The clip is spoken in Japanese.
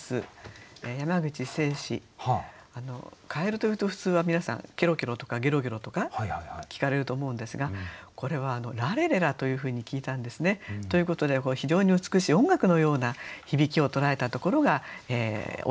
蛙というと普通は皆さん「ケロケロ」とか「ゲロゲロ」とか聞かれると思うんですがこれは「ラレレラ」というふうに聞いたんですね。ということで非常に美しい音楽のような響きを捉えたところがオリジナルなんですね。